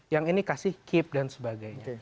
yang ini kasih keep dan sebagainya